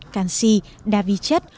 canxi đa vi chất